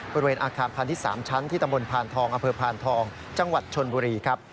บริเวณอาคารพันธุ์ที่๓ชั้นที่ตำรวจพานทองอพพานทองจชนบุรีครับ